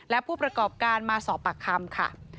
และผู้ประกอบการมาสอบปากคำค่ะ